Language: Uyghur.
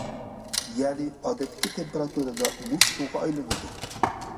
يەنى ئادەتتىكى تېمپېراتۇرىدا مۇز سۇغا ئايلىنىدۇ.